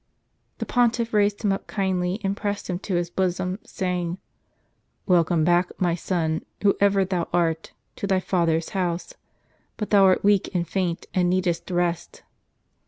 The Pontiff raised him up kindly, and pressed him to his bosom, saying, "Welcome back, my son, whoever thou art, to thy Father's house. But thou art weak and faint, and needest rest."